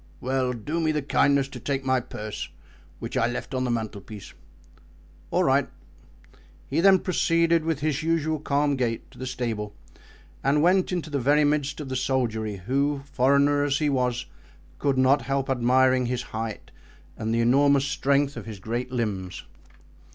"Well, do me the kindness to take my purse, which I left on the mantelpiece." "All right." He then proceeded, with his usual calm gait, to the stable and went into the very midst of the soldiery, who, foreigner as he was, could not help admiring his height and the enormous strength of his great limbs.